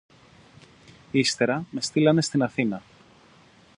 Ύστερα, με στείλανε στην Αθήνα